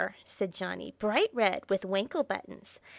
said Johnny. "Bright red, with wankle buttons.